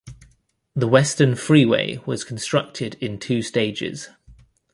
The Western Freeway was constructed in two stages.